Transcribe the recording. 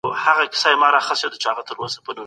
تنور جوړ كړي